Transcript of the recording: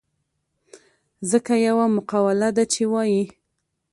ځکه يوه مقوله ده چې وايي.